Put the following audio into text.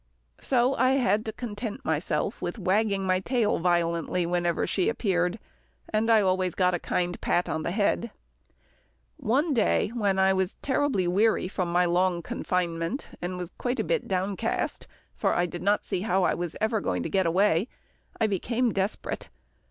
So I had to content myself with wagging my tail violently whenever she appeared, and I always got a kind pat on the head. One day, when I was terribly weary from my long confinement, and was quite a bit downcast, for I did not see how I was ever going to get away, I became desperate.